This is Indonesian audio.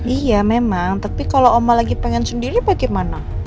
iya memang tapi kalau oma lagi pengen sendiri bagaimana